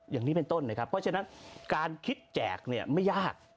อย่างนี้เป็นต้นนะครับเพราะฉะนั้นการคิดแจกเนี่ยไม่ยาก